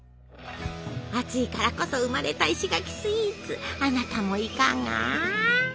暑いからこそ生まれた石垣スイーツあなたもいかが！